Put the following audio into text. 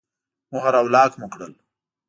مهر او لاک مو کړل.